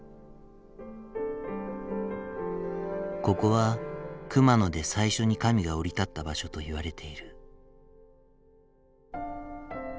ここは熊野で最初に神が降り立った場所といわれている。